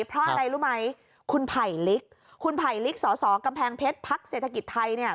เพราะอะไรรู้ไหมคุณไผ่ลิกคุณไผลลิกสสกำแพงเพชรพักเศรษฐกิจไทยเนี่ย